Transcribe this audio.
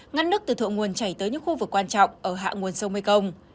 ngăn nứt từ thộ nguồn chảy tới những khu vực quan trọng ở hạ nguồn sông mekong